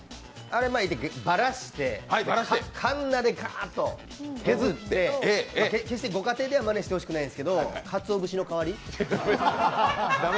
あれ巻いて、ばらして、かんなでカーッと削って、決してご家庭ではまねしてほしくないですけど、かつお節の代わり。